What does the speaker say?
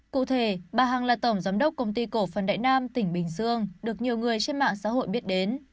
cụ thể bà hằng là tổng giám đốc công ty cổ phần đại nam tỉnh bình dương được nhiều người trên mạng xã hội biết đến